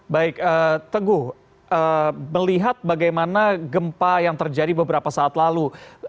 baik teguh melihat bagaimana gempa yang terjadi beberapa saat lalu